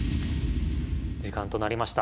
時間となりました。